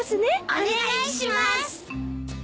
お願いします！